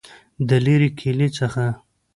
دلیري کلي څخه